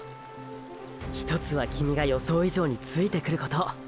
ひとつはキミが予想以上についてくること！！